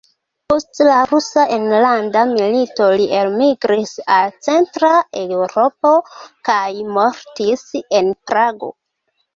Post la Rusa Enlanda Milito li elmigris al Centra Eŭropo kaj mortis en Prago.